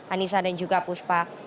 anissa dan juga puspa